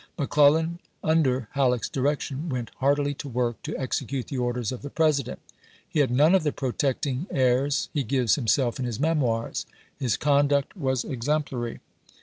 McClellan, under Halleck's direction, went heartily to work to execute the orders of the President. He had none of the protecting airs he gives himself in his memoirs ; his conduct was exemplary.